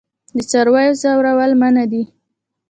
د څارویو ځورول منع دي.